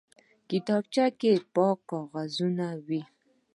کتابچه کې پاک کاغذونه وي